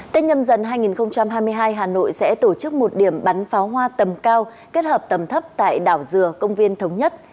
tết nhâm dần hai nghìn hai mươi hai hà nội sẽ tổ chức một điểm bắn pháo hoa tầm cao kết hợp tầm thấp tại đảo dừa công viên thống nhất